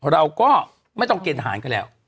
เราก็ไม่ต้องเกณฑ์ทหารกันแล้ว